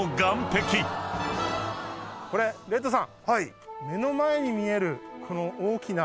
これレッドさん。